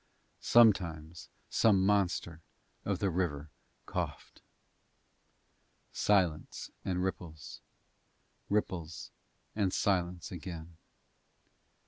Sometimes some monster of the river coughed. Silence and ripples, ripples and silence again.